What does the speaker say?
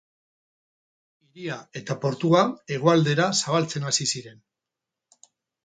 Hiria eta portua hegoaldera zabaltzen hasi ziren.